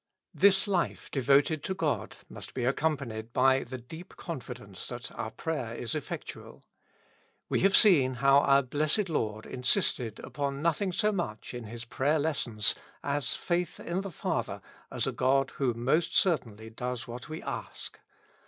This life devoted to God must be accompanied by the deep confidence that our prayer is effectual. We have seen how our Blessed Lord insisted upon no thing so much in His prayer lessons as faith in the Father as a God who most certainly does what we ask.